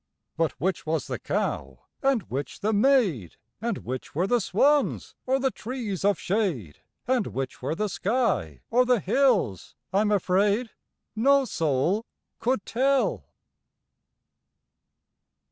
But which was the cow and which the maid, And which were the swans or the trees of shade, And which were the sky or the hills, I'm afraid, No soul could tell.